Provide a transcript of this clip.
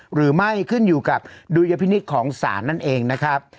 หรือไม่ขึ้นอยู่กับดุลยพินิษฐ์ของศาลนั่นเองนะครับ